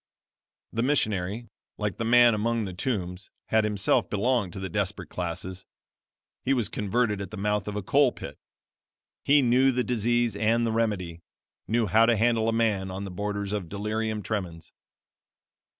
"The missionary, like the man among the tombs, had himself belonged to the desperate classes. He was converted at the mouth of a coal pit. He knew the disease and the remedy knew how to handle a man on the borders of delirium tremens.